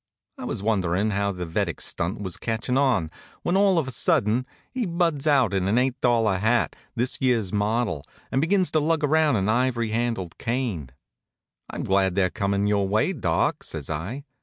I was wonderin' how the Vedic stunt was catchin' on, when all of a sudden he buds out in an eight dollar hat, this year's model, and begins to lug around an iv'ry handled cane. "I'm glad they're comin' your way, Doc," says I.